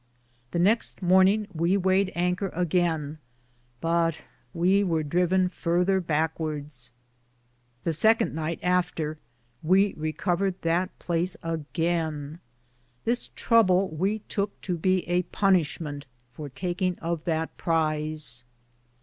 The nexte morninge we wayed Anker again, but we weare driven further backwardes. The second nyghte after we recovered that place againe ; this truble we touke to be a punish mente for takinge of that prise.